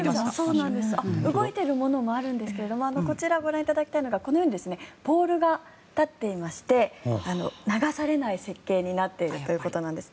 動いているものもあるんですけどもこちら、ご覧いただきたいのがこのようにポールが立っていまして流されない設計になっているということなんです。